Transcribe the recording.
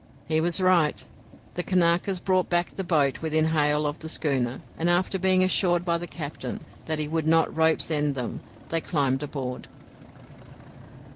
He was right. The Kanakas brought back the boat within hail of the schooner, and after being assured by the captain that he would not ropes end them, they climbed aboard.